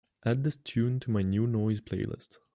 add this tune to my New Noise playlist